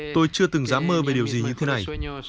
tôi chưa từng dám mơ về điều gì như thế này